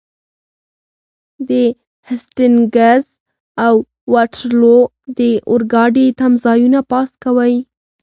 د هسټینګز او واټرلو د اورګاډي تمځایونه پاس کوئ.